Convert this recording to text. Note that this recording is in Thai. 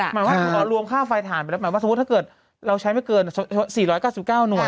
หมายว่ารวมค่าไฟฐานไปแล้วหมายว่าสมมุติถ้าเกิดเราใช้ไม่เกิน๔๙๙หน่วย